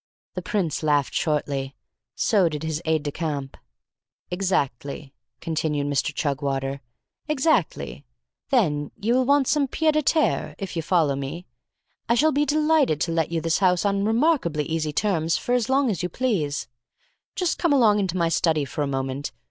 The prince laughed shortly. So did his aide de camp. "Exactly," continued Mr. Chugwater, "exactly. Then you will want some pied a terre, if you follow me. I shall be delighted to let you this house on remarkably easy terms for as long as you please. Just come along into my study for a moment.